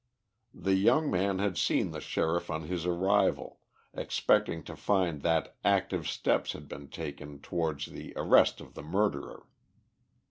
The young man had seen the Sheriff on his arrival, expecting to find that active steps had been taken towards the arrest of the murderer.